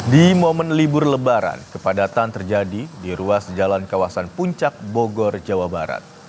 di momen libur lebaran kepadatan terjadi di ruas jalan kawasan puncak bogor jawa barat